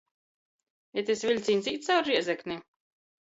Itys viļcīņs īt caur Rēzekni?